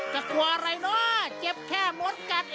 กะกรัวอะไรเนอะเจ็บแค่มนต์กัดเอง